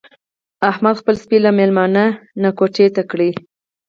احمد خپل سپی له مېلمانه نه کوتې کړ.